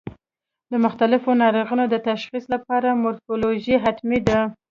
د مختلفو ناروغیو د تشخیص لپاره مورفولوژي حتمي ده.